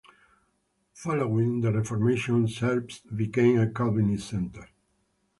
Following the Reformation Zerbst became a Calvinist centre.